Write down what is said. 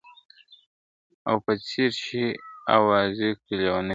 او په څېر چي د اوزګړي لېونی سي ..